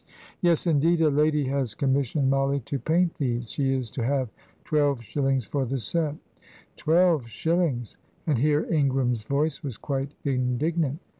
"Yes, indeed; a lady has commissioned Mollie to paint these. She is to have twelve shillings for the set." "Twelve shillings!" and here Ingram's voice was quite indignant.